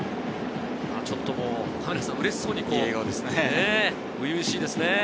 ちょっと嬉しそうに初々しいですね。